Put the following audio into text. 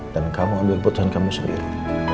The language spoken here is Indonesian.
dan kamu ambil keputusan kamu sendiri